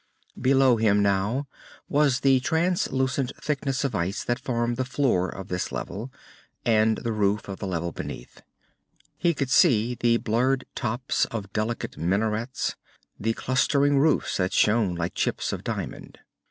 Below him now was the translucent thickness of ice that formed the floor of this level and the roof of the level beneath. He could see the blurred tops of delicate minarets, the clustering roofs that shone like chips of diamond.